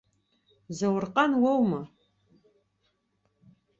Заурҟан уоума?